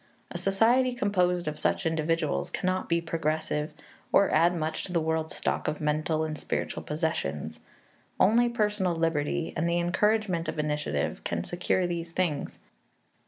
A society composed of such individuals cannot be progressive or add much to the world's stock of mental and spiritual possessions. Only personal liberty and the encouragement of initiative can secure these things.